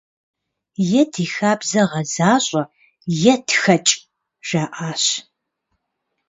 Е ди хабзэ гъэзащӀэ, е тхэкӀ, - жаӀащ.